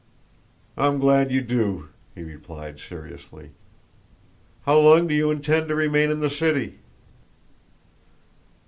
"I'm glad you do," he replied seriously. "How long do you intend to remain in the city?"